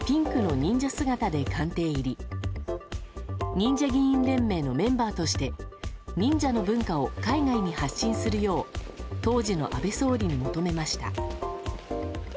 忍者ＮＩＮＪＡ議員連盟のメンバーとして忍者の文化を海外に発信するよう当時の安倍総理に求めました。